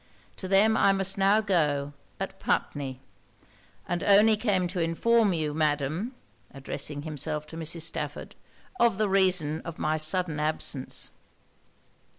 To them I must now go, at Putney; and only came to inform you, Madam,' addressing himself to Mrs. Stafford, 'of the reason of my sudden absence.'